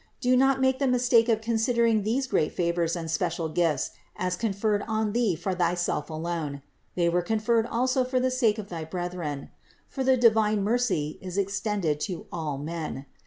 Do not make the mistake of considering these great favors and special gifts as conferred on thee for thyself alone: they were conferred also for the sake of thy brethren : for the divine mercy is extended to all men.